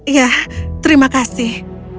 ya terima kasih